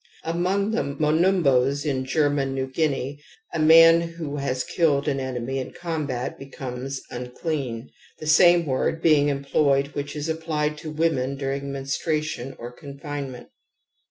Among the Monumbos in German New Guinea a man who has killed an enemy in com bat becomes ' imclean ', the same word being employed which is appUed to women during menstruation or confinement.